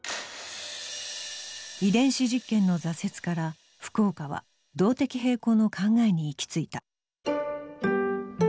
遺伝子実験の挫折から福岡は動的平衡の考えに行き着いた。